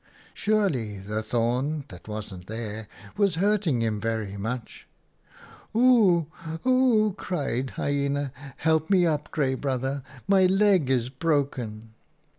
Surely the thorn, that wasn't there, was hurting him very much !<(< Oo! 00 !' cried Hyena, 'help me up, Grey Brother. My leg is broken.'